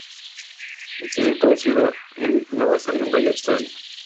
Ha sido introducida en Nueva Zelanda y Australia.